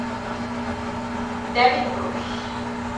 David Bruce